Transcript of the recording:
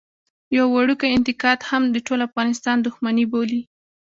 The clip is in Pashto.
يو وړوکی انتقاد هم د ټول افغانستان دښمني بولي.